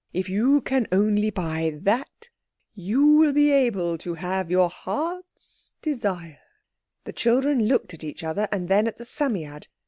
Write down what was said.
If you can only buy that, you will be able to have your heart's desire." The children looked at each other and then at the Psammead.